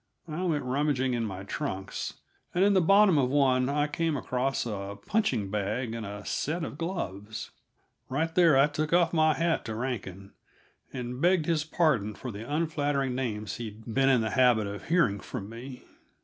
I went rummaging in my trunks, and in the bottom of one I came across a punching bag and a set of gloves. Right there I took off my hat to Rankin, and begged his pardon for the unflattering names he'd been in the habit of hearing from me.